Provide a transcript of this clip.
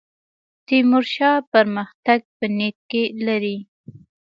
تیمورشاه پرمختګ په نیت کې لري.